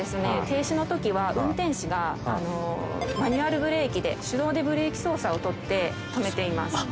停止のときは運転士がマニュアルブレーキで手動でブレーキ操作をとって止めています。